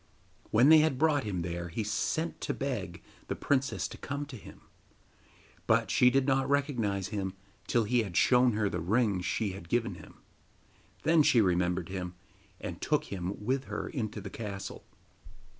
When they had brought him there he sent to beg the princess to come to him; but she did not recognise him till he had shown her the ring she had given him. Then she remembered him, and took him with her into the castle.